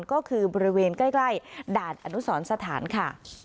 ก็คือบริเวณใกล้ด่านอนุสรสถานค่ะ